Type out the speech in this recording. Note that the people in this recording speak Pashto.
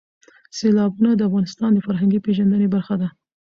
سیلابونه د افغانانو د فرهنګي پیژندنې برخه ده.